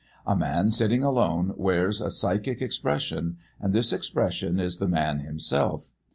A man sitting alone wears a psychic expression; and this expression is the man himself.